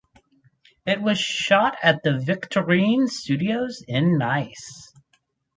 It was shot at the Victorine Studios in Nice.